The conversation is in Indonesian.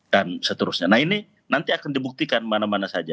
dan seterusnya nah ini nanti akan dibuktikan mana mana saja